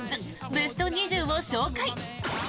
ベスト２０を紹介！